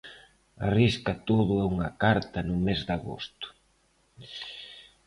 Arrisca todo a unha carta no mes de agosto.